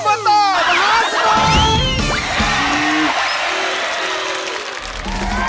โอบอตตอมหาสนุก